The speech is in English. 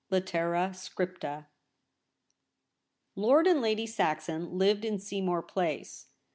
LITERA SCRIPTA. :ORD AND LADY SAXON lived in Seamore Place.